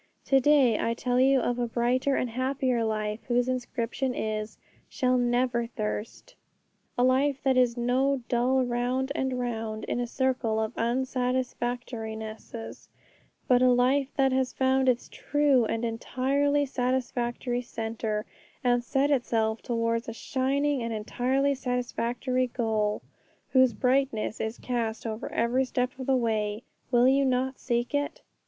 To day I tell you of a brighter and happier life, whose inscription is, 'Shall never thirst,' a life that is no dull round and round in a circle of unsatisfactorinesses, but a life that has found its true and entirely satisfactory centre, and set itself towards a shining and entirely satisfactory goal, whose brightness is cast over every step of the way. Will you not seek it?